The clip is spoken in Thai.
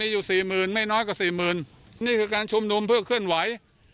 อยู่สี่หมื่นไม่น้อยกว่าสี่หมื่นนี่คือการชุมนุมเพื่อเคลื่อนไหว